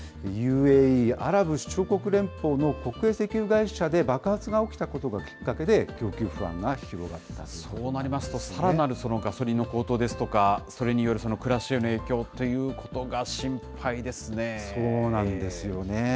ＵＡＥ・アラブ首長国連邦の国営石油会社で爆発が起きたことがきっかけで、供給不安が広がったそそうなりますと、さらなるガソリンの高騰ですとか、それによる暮らしへの影響ということが心そうなんですよね。